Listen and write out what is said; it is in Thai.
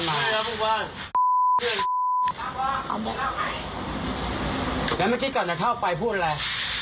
แมวแมวที่กกันแถวออกไปพูดอะไร